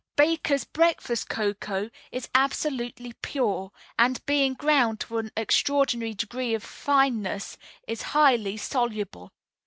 Baker's Breakfast Cocoa is absolutely pure, and, being ground to an extraordinary degree of fineness, is highly soluble.